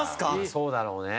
そうだろうね。